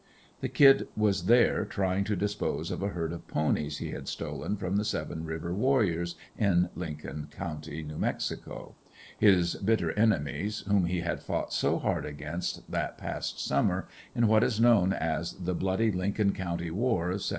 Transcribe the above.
"The Kid" was there trying to dispose of a herd of ponies he had stolen from the "Seven River warriors" in Lincoln County, New Mexico his bitter enemies whom he had fought so hard against, that past summer, in what is known as the "bloody Lincoln County war of '78."